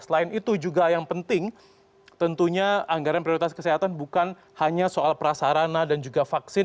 selain itu juga yang penting tentunya anggaran prioritas kesehatan bukan hanya soal prasarana dan juga vaksin